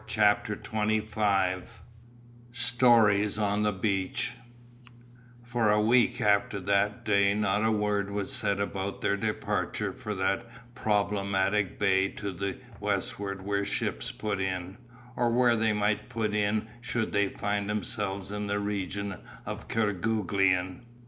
CHAPTER XXV STORIES ON THE BEACH For a week after that day not a word was said about their departure for that problematical bay to the westward where ships put in, or where they might put in should they find themselves in the region of Kerguelen.